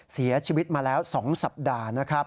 เสียชีวิตมาแล้ว๒สัปดาห์นะครับ